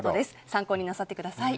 参考になさってください。